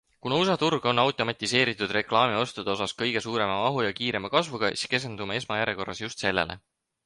Kuna USA turg on automatiseeritud reklaamiostude osas kõige suurema mahu ja kiirema kasvuga, siis keskendume esmajärjekorras just sellele.